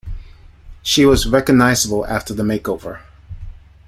She was recognizable after the makeover.